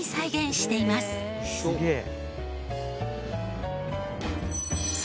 「すげえ！」